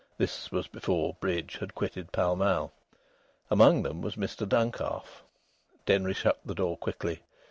(This was before bridge had quitted Pall Mall.) Among them was Mr Duncalf. Denry shut the door quickly.